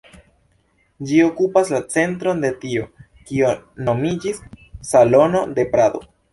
Ĝi okupas la centron de tio kio nomiĝis Salono de Prado.